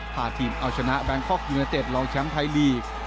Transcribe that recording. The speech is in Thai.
พาทีมเอาชนะแบงคอกยูเนเต็ดลองแชมป์ไทยลีก